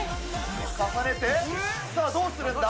重ねて、さあどうするんだ？